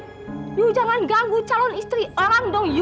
kamu jangan ganggu calon istri orang dong kamu